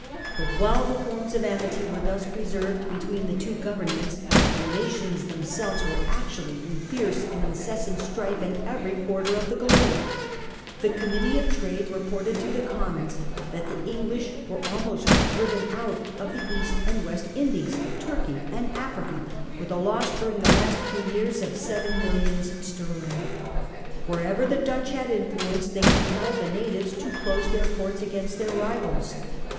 But while the forms of amity were thus preserved be tween the two Governments, the nations themselves were Informal actua Hy * n fierce and incessant strife in every war in the quarter of the globe. The Committee of Trade colonies. reported to the Commons that the English were almost driven out of the East and West Judies, 128 The First Dutch War. I664. Turkey, and Africa, with a loss during the last few years of seven millions sterling. Wherever the Dutch had influence they compelled the natives to close their ports against their rivals.